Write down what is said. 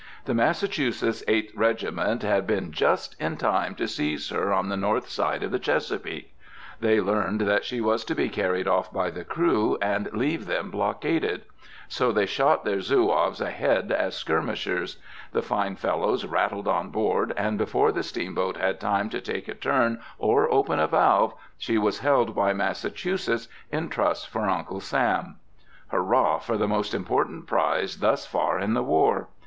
The Massachusetts Eighth Regiment had been just in time to seize her on the north side of the Chesapeake. They learned that she was to be carried off by the crew and leave them blockaded. So they shot their Zouaves ahead as skirmishers. The fine fellows rattled on board, and before the steamboat had time to take a turn or open a valve, she was held by Massachusetts in trust for Uncle Sam. Hurrah for the most important prize thus far in the war!